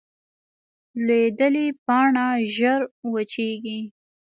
لوېدلې پاڼه ژر وچېږي